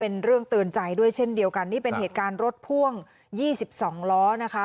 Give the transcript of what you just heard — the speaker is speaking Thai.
เป็นเรื่องเตือนใจด้วยเช่นเดียวกันนี่เป็นเหตุการณ์รถพ่วง๒๒ล้อนะคะ